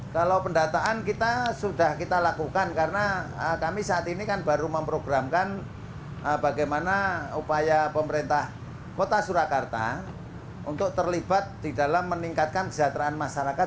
kalau pendataan kita sudah kita lakukan karena kami saat ini kan baru memprogramkan bagaimana upaya pemerintah kota surakarta untuk terlibat di dalam meningkatkan kesejahteraan masyarakat